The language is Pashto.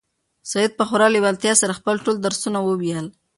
سعید په خورا لېوالتیا سره خپل ټول درسونه وویل.